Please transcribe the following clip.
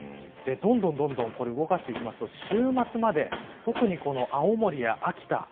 どんどんこれを動かしていくと週末まで、特に青森や秋田